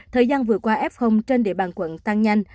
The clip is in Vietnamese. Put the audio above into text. thời gian vừa qua f trên địa bàn quận tăng nhanh